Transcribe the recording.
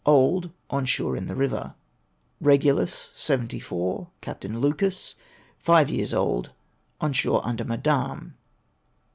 Old ; on shore in the river. Regulus, 74, Capt. Lucas. Five years old ; on shore under Madame.